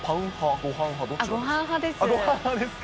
ごはん派ですか。